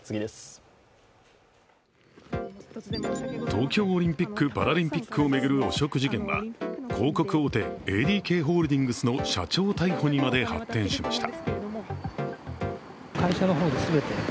東京オリンピック・パラリンピックを巡る汚職事件は、広告大手ＡＤＫホールディングスの社長逮捕にまで発展しました。